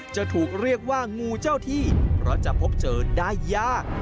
จะถูกเรียกว่างูเจ้าที่เพราะจะพบเจอได้ยาก